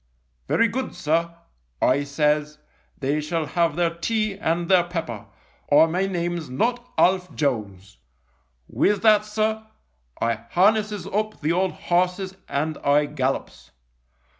"' Very good, sir.' I says. ' They shall have their tea and their pepper, or my name's not Alf Jones.' " With that, sir, I harnesses up the old horses and I gallops.